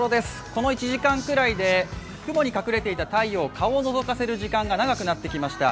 この１時間くらいで、雲に隠れていた太陽、顔をのぞかせる時間が長くなってきました。